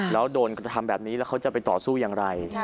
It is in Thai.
แล้วโดนกระทำแบบนี้แล้วเขาจะไปต่อสู้อย่างไร